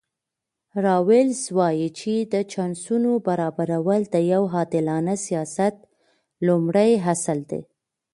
راولز وایي چې د چانسونو برابرول د یو عادلانه سیاست لومړی اصل دی.